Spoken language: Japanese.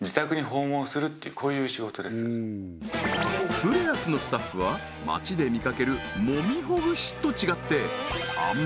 フレアスのスタッフは街で見かけるもみほぐしと違ってあん摩